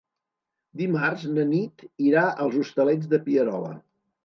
Dimarts na Nit irà als Hostalets de Pierola.